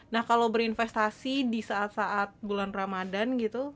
nah kalau berinvestasi di saat saat bulan ramadhan gitu